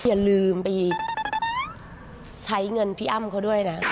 อย่าลืมไปใช้เงินพี่อ้ำเขาด้วยนะ